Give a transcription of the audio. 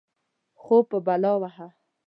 خوب په بلا ووهه.